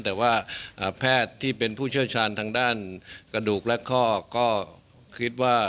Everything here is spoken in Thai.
แต่ว่าแพทย์ที่เป็นผู้เชี่ยวชาญทางด้านกระดูกและข้อก็คิดว่า